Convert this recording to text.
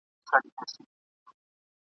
لکه په مني کي له وني رژېدلې پاڼه ..